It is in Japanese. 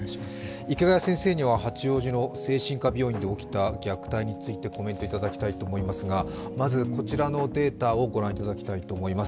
池谷先生には八王子の精神科病院で起きた虐待についてコメントいただきたいと思いますが、まずこちらのデータをご覧いただきたいと思います。